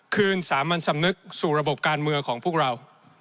คืนสามัญสำนึกสู่ระบบการเมืองของพวกเรา